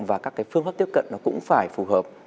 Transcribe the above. và các cái phương pháp tiếp cận nó cũng phải phù hợp